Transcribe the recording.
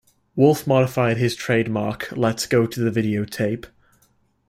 Wolf modified his trademark Let's go to the videotape!